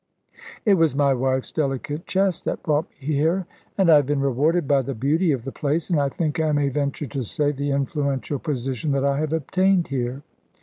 It was my wife's delicate chest that brought me here, and I have been rewarded by the beauty of the place and, I think I may venture to say, the influential position that I have obtained here."